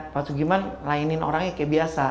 pasugiman lainin orangnya kayak biasa